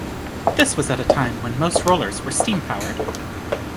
This was at a time when most rollers where steam powered.